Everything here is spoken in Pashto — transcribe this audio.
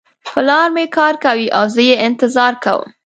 پلار مې کار کوي او زه یې انتظار کوم